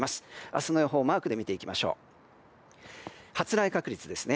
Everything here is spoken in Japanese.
明日の予報をマークで見ていきましょう。